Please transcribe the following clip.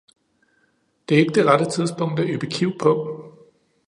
Det er ikke det rette tidspunkt at yppe kiv på.